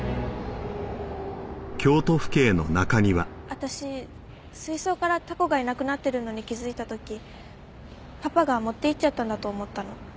私水槽からタコがいなくなってるのに気づいた時パパが持っていっちゃったんだと思ったの。